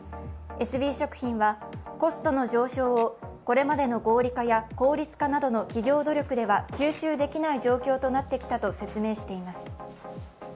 エスビー食品はコストの上昇をこれまでの合理化や効率化などの企業努力では吸収できない状況となってきたと説明しています。